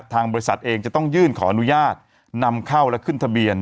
ทางบริษัทเองจะต้องยื่นขออนุญาตนำเข้าและขึ้นทะเบียน